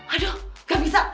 aduh gak bisa